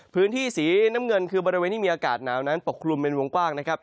พื้นที่สีน้ำเงินคือบริเวณที่มีอากาศหนาวนั้นปกคลุมเป็นวงกว้างนะครับ